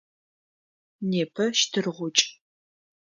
Непэ щтыргъукӏ.